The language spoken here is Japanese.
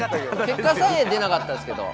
結果さえ出なかったですけど。